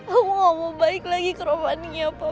aku gak mau balik lagi ke rumah dia pa